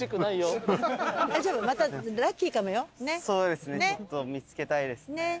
そうですね。